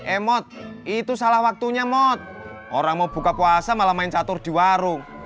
emot itu salah waktunya mot orang mau buka puasa malah main catur di warung